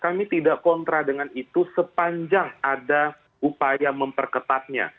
kami tidak kontra dengan itu sepanjang ada upaya memperketatnya